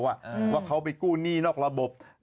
ว่าเขาไปกู้หนี้นอกระบบ